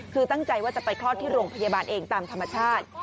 คือตั้งใจว่าจะไปคลอดที่โรงพยาบาลเองตามธรรมชาติ